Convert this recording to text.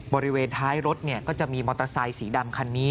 บริเวณท้ายรถก็จะมีมอเตอร์ไซค์สีดำคันนี้